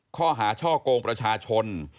ข้อหาช่อกงประชาชน